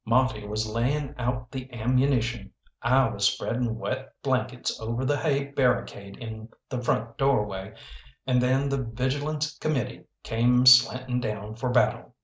Monte was laying out the ammunition, I was spreading wet blankets over the hay barricade in the front doorway, and then the Vigilance Committee came slanting down for battle.